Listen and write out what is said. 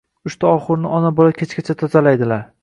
Uchta oxurni ona-bola kechgacha tozalaydilar